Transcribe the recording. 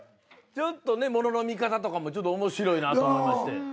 ちょっとね物の見方とかも面白いなと思いまして。